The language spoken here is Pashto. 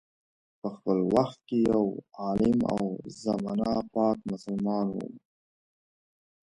په خپل وخت کي یو عالم او ضمناً پاک مسلمان وو.